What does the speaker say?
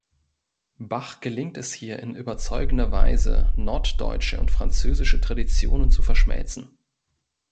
Bach gelingt es hier in überzeugender Weise, norddeutsche und französische Traditionen zu verschmelzen.